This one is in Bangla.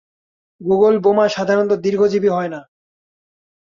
গুগল বোমা সাধারণত দীর্ঘজীবী হয়না।